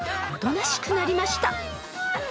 ［おとなしくなりました］